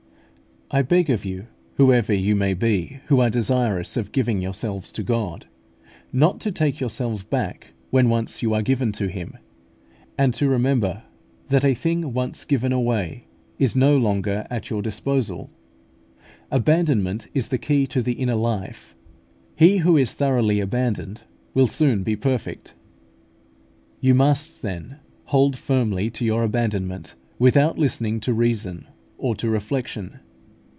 I beg of you, whoever you may be, who are desirous of giving yourselves to God, not to take yourselves back when once you are given to Him, and to remember that a thing once given away is no longer at your disposal. Abandonment is the key to the inner life: he who is thoroughly abandoned will soon be perfect. You must, then, hold firmly to your abandonment, without listening to reason or to reflection.